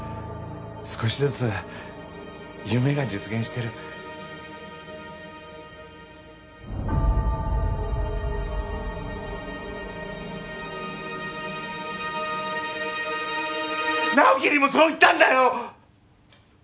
少しずつ夢が実現してる直木にもそう言ったんだよ！